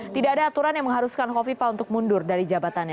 tidak ada aturan yang mengharuskan khofifah untuk mundur dari jabatannya